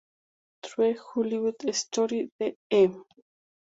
True Hollywood Story de E!.